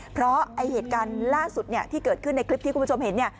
เพราะเหตุการณ์ล่าสุดเนี่ยที่เกิดขึ้นในคลิปที่คุณผู้ชมเห็นเนี่ย